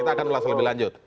kita akan ulas lebih lanjut